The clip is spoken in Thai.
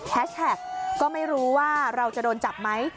แท็กก็ไม่รู้ว่าเราจะโดนจับไหม